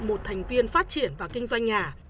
một thành viên phát triển và kinh doanh nhà